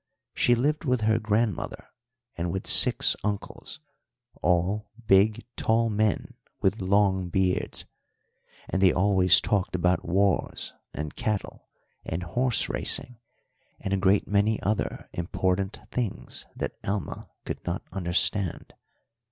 She lived with her grandmother and with six uncles, all big tall men with long beards; and they always talked about wars, and cattle, and horse racing, and a great many other important things that Alma could not understand.